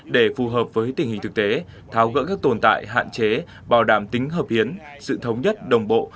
để phù hợp với tình hình thực tế tháo gỡ các tồn tại hạn chế bảo đảm tính hợp hiến sự thống nhất đồng bộ